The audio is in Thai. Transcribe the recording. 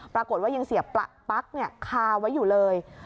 ปรากฏว่ายังเสียบปั๊กคาไว้อยู่เลย